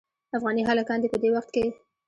افغاني هلکان دې په دې وخت کې.